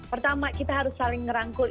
pertama kita harus saling merangkul